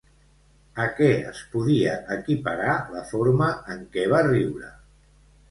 A què es podia equiparar la forma en què va riure?